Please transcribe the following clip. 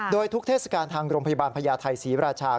โดยทุกเทศกาลทางโรงพยาบาลพญาไทยศรีราชา